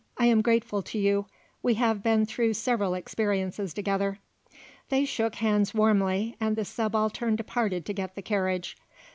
"I am grateful to you. We have been through several experiences together." They shook hands warmly, and the Subaltern departed to get the carriage.